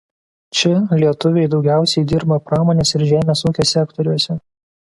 Čia Lietuviai daugiausiai dirba pramonės ir žemės ūkio sektoriuose.